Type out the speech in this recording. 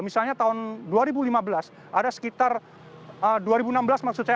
misalnya tahun dua ribu lima belas ada sekitar dua ribu enam belas maksud saya